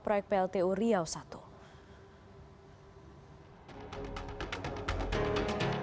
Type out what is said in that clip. proyek pltu riau i